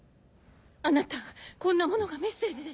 あなたこんなものがメッセージで。